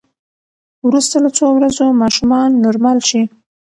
وروسته له څو ورځو ماشومان نورمال شي.